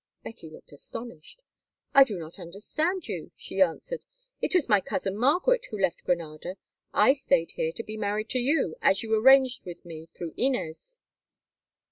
Betty looked astonished. "I do not understand you," she answered. "It was my cousin Margaret who left Granada. I stayed here to be married to you, as you arranged with me through Inez."